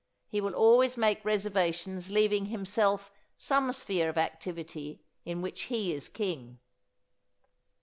He will always make reservations leaving himself some sphere of activity in which he is king.